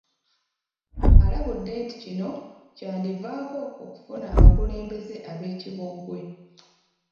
Alabudde nti kino kyandivaako okufuna abakulembeze ab'ekibogwe.